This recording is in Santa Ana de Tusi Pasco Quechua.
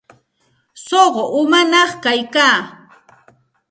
Suqu umañaq kayka.